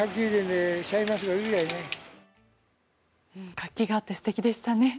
活気があって素敵でしたね。